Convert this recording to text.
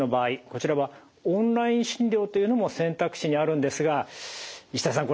こちらはオンライン診療というのも選択肢にあるんですが石田さん。